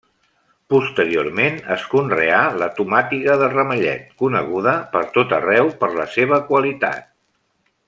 Posteriorment es conreà la tomàtiga de ramellet, coneguda per tot arreu per la seva qualitat.